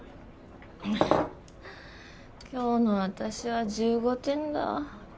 今日の私は１５点だ。